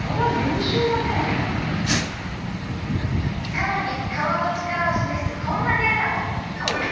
更に革の力を示すこんなデータも！